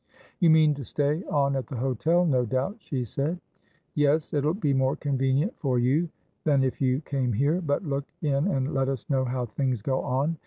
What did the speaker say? "You mean to stay on at the hotel, no doubt," she said. "Yes, it'll be more convenient for you than if you came here. But look in and let us know how things go on.